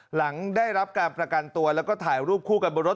หลังได้รับการประกันตัวแล้วก็ถ่ายรูปคู่กันบนรถ